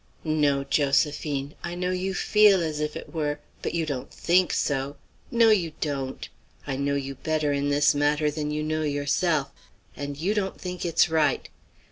"No, Josephine. I know you feel as if it were; but you don't think so. No, you don't; I know you better in this matter than you know yourself, and you don't think it's right.